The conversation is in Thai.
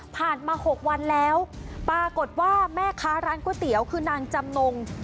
มา๖วันแล้วปรากฏว่าแม่ค้าร้านก๋วยเตี๋ยวคือนางจำนง